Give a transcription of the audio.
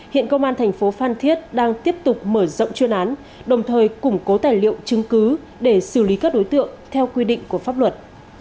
hiện công an thành phố phan thiết đang tiếp tục mở rộng chuyên án đồng thời củng cố tài liệu chứng cứ để xử lý các đối tượng theo quy định của pháp luật